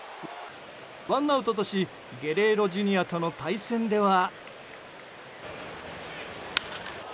ワンアウトとしゲレーロＪｒ．との対戦では。